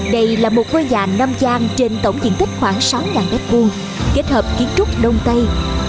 đây là một ngôi nhà năm giang trên tổng diện tích khoảng sáu đất quân kết hợp kiến trúc đông tây